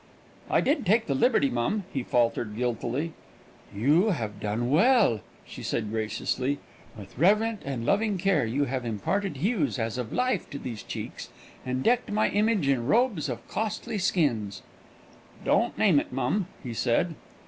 "I did take the liberty, mum," he faltered guiltily. "You have done well," she said graciously. "With reverent and loving care have you imparted hues as of life to these cheeks, and decked my image in robes of costly skins." "Don't name it, mum," he said.